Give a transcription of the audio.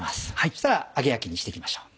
そうしたら揚げ焼きにして行きましょう。